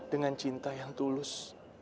dengan cinta yang tulus